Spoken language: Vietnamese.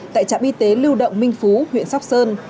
tại trạm y tế lưu động minh phú huyện sóc sơn